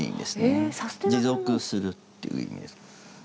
「持続する」っていう意味です。